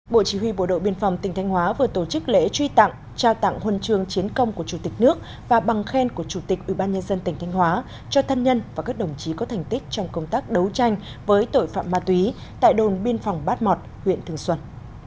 bộ chỉ huy bộ đội biên phòng tỉnh thanh hóa vừa tổ chức lễ truy tặng trao tặng huân chương chiến công của chủ tịch nước và bằng khen của chủ tịch ubnd tỉnh thanh hóa cho thân nhân và các đồng chí có thành tích trong công tác đấu tranh với tội phạm ma túy tại đồn biên phòng bát mọt huyện thường xuân